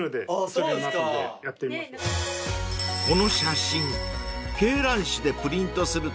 ［この写真］